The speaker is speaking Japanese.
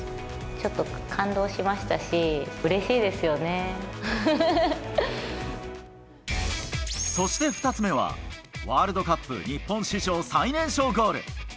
ちょっと感動しましたし、そして２つ目は、ワールドカップ日本史上最年少ゴール。